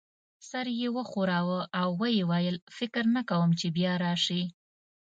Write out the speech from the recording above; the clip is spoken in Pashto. سر یې وښوراوه او ويې ویل: فکر نه کوم چي بیا راشې.